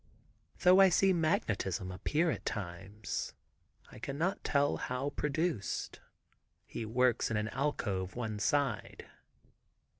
Though I see magnetism appear at times, I cannot tell how produced (he works in an alcove one side).